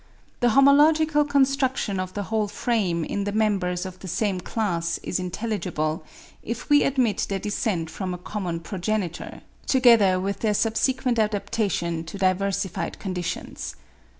The homological construction of the whole frame in the members of the same class is intelligible, if we admit their descent from a common progenitor, together with their subsequent adaptation to diversified conditions.